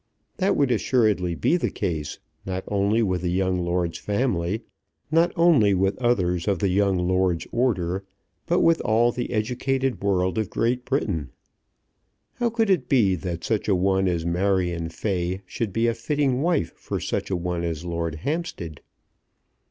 That would assuredly be the case, not only with the young lord's family, not only with others of the young lord's order, but with all the educated world of Great Britain. How could it be that such a one as Marion Fay should be a fitting wife for such a one as Lord Hampstead?